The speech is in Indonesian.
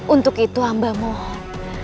untuk itu amba mohon